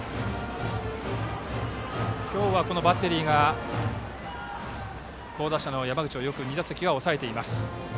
今日はこのバッテリーが好打者の山口を２打席は抑えています。